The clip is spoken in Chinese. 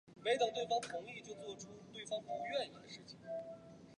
高茎紫堇为罂粟科紫堇属下的一个亚种。